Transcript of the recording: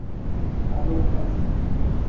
ہلوک ئس